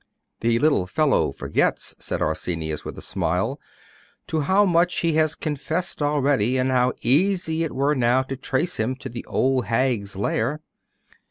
'The little fellow forgets,' said Arsenius, with a smile, 'to how much he has confessed already, and how easy it were now to trace him to the old hag's lair....